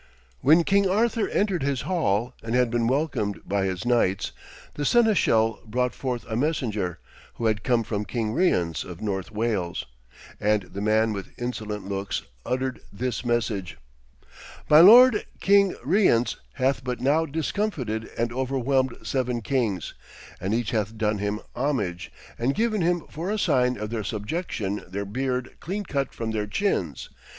When King Arthur entered his hall, and had been welcomed by his knights, the seneschal brought forth a messenger, who had come from King Rience of North Wales, and the man with insolent looks uttered this message: 'My lord, King Rience, hath but now discomfited and overwhelmed seven kings, and each hath done him homage, and given him for a sign of their subjection their beard clean cut from their chins.